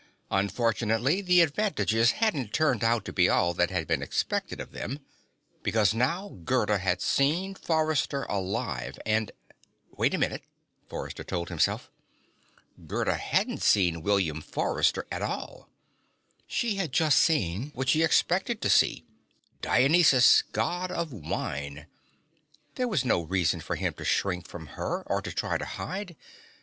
Unfortunately, the advantages hadn't turned out to be all that had been expected of them. Because now Gerda had seen Forrester alive and Wait a minute, Forrester told himself. Gerda hadn't seen William Forrester at all. She had seen just what she expected to see; Dionysus, God of Wine. There was no reason for him to shrink from her, or try to hide.